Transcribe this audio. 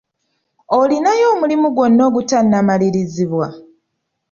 Olinayo omulimu gwonna ogutannamalirizibwa?